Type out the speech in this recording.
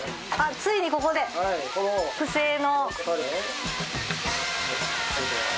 ついにここで特製の。